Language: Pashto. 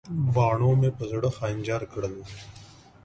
باڼو مې په زړه خنجر کړل.